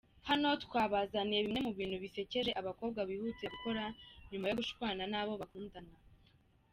Hano twabazaniye bimwe mu bintu bisekeje abakobwa bihutira gukora nyuma yo gushwana naba bakundanaga.